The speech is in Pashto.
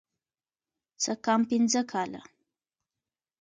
څه کم پينځه کاله.